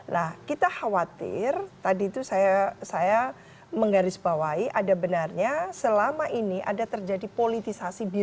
nah kita khawatir tadi itu saya menggarisbawahi ada benarnya selama ini ada terjadi politisasi